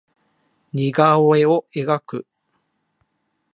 似顔絵を描く